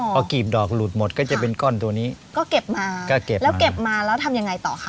พอกรีบดอกหลุดหมดก็จะเป็นก้อนตัวนี้ก็เก็บมาก็เก็บแล้วเก็บมาแล้วทำยังไงต่อคะ